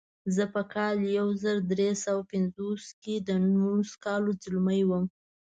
زه په کال یو زر درې سوه پنځوس کې د نولسو کالو ځلمی وم.